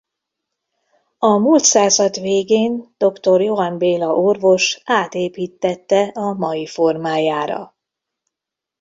A múlt század végén dr. Johan Béla orvos átépíttette a mai formájára.